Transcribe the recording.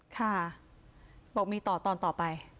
ค่ะบอกมีต่อตอนต่อไป